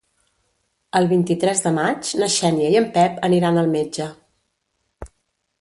El vint-i-tres de maig na Xènia i en Pep aniran al metge.